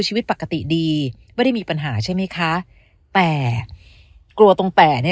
ชีวิตปกติดีไม่ได้มีปัญหาใช่ไหมคะแต่กลัวตรงแต่เนี่ย